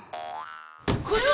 これは！